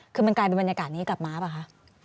คือมันกลายเป็นบรรยากาศนี้กลับมาป่ะคะ